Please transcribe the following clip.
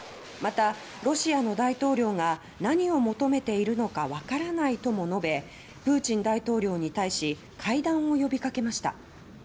また「ロシアの大統領が何を求めているのかわからない」とも述べプーチン大統領に対し会談を呼びかけました。